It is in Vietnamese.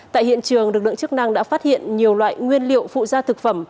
tại hiện trường lực lượng chức năng đã phát hiện nhiều loại nguyên liệu phụ gia thực phẩm